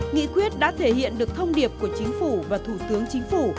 nghị quyết đã thể hiện được thông điệp của chính phủ và thủ tướng chính phủ